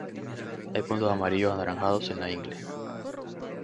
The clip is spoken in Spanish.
Hay puntos amarillos-anaranjados en la ingle.